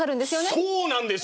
そうなんですよ！